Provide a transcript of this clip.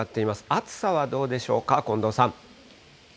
暑さはどうでしょうか、近藤さん。